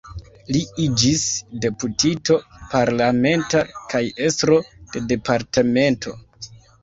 Li iĝis deputito parlamenta kaj estro de departemento.